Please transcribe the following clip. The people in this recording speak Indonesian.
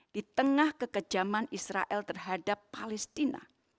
di tengah kekejaman israel terhadap palestina